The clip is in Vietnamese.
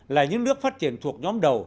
là những nước phát triển thuộc nhóm đầu